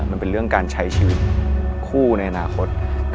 มันเป็นเรื่องการใช้ชีวิตคู่ในอนาคต